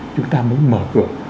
chúng ta mới mở cửa